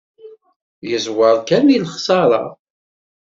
Yeẓwer kan deg lexṣara.